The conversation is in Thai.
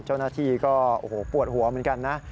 เจ้าหน้าที่ก็โอ้โหปวดหัวเหมือนกันนะ